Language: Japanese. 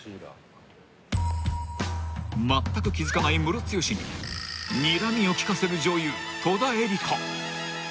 ［まったく気付かないムロツヨシににらみを利かせる女優戸田恵梨香］